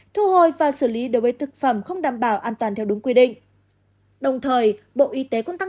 thu hồi và xử lý đối với thực phẩm không đảm bảo an toàn theo đúng quy định